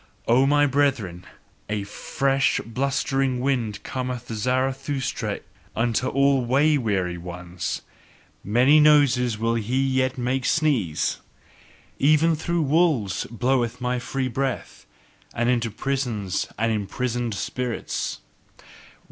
O my brethren, a fresh blustering wind cometh Zarathustra unto all way weary ones; many noses will he yet make sneeze! Even through walls bloweth my free breath, and in into prisons and imprisoned spirits!